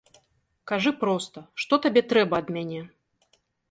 Кажы проста, што табе трэба ад мяне?